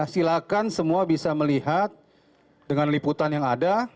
silakan semua bisa melihat dengan liputan yang ada